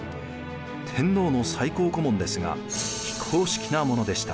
天皇の最高顧問ですが非公式なものでした。